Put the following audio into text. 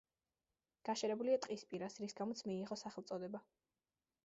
გაშენებულია ტყის პირას, რის გამოც მიიღო სახელწოდება.